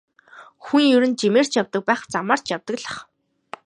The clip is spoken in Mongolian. Хүн ер нь жимээр ч явдаг байх, замаар ч явдаг л байх.